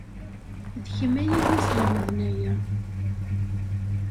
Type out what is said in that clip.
D kemm ay iyi-yeslemden aya.